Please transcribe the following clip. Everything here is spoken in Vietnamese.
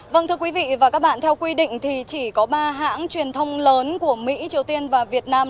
vâng thưa quý vị và các bạn theo quy định thì chỉ có ba hãng truyền thông lớn của mỹ triều tiên và việt nam